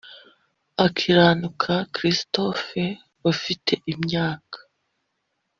Akiranuka christopher ufite imyaka